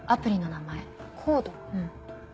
うん。